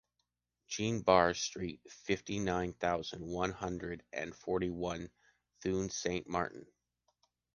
Jean Bar street, fifty-nine thousand, one hundred and forty-one, Thun-Saint-Martin